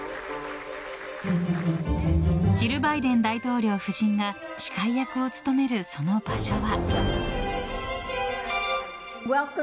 ジル・バイデン大統領夫人が司会役を務める、その場所は。